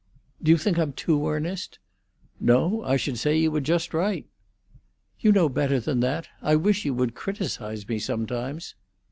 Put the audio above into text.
"Do you think I'm too earnest?" "No; I should say you were just right." "You know better than that. I wish you would criticise me sometimes."